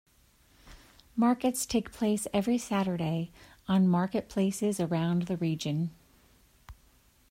Markets take place every Saturday on market places around the region.